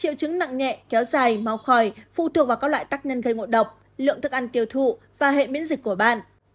triệu chứng nặng nhẹ kéo dài máu khỏi phụ thuộc vào các loại tắc nhân gây ngộ độc lượng thức ăn tiêu thụ và hệ miễn dịch của bạn